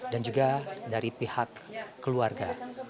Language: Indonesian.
dan juga dari pihak keluarga